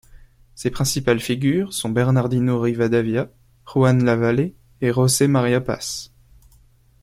Ses principales figures sont Bernardino Rivadavia, Juan Lavalle et José María Paz.